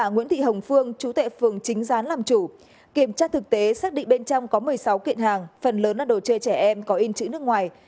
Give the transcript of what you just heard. nguyễn thị hồng phương chú tệ phường chính gián làm chủ kiểm tra thực tế xác định bên trong có một mươi sáu kiện hàng phần lớn là đồ chơi trẻ em có in chữ nước ngoài